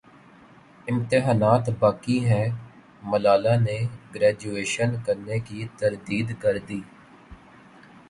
امتحانات باقی ہیں ملالہ نے گریجویشن کرنے کی تردید کردی